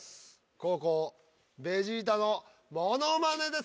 後攻ベジータのモノマネです。